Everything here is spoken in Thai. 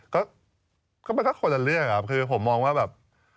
ก็มันก็คนละเรื่องครับคือผมมองว่าแบบ